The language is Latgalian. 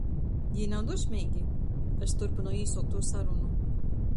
"Jī nav dusmeigi?" es turpynoju īsuoktū sarunu.